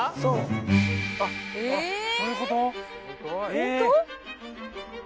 本当？